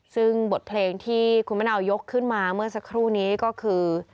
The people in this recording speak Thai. ซึ่งบทเพลงที่คุณมะนาวยกขึ้นมาเมื่อสักครู่นี้ก็คือ